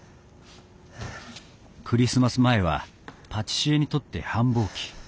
クリスマス前はパティシエにとって繁忙期。